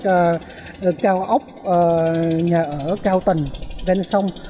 các cái cao ốc nhà ở cao tầng bên sông